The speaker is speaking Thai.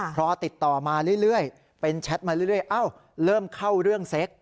พอติดต่อมาเรื่อยเป็นแชทมาเรื่อยเริ่มเข้าเรื่องเซ็ก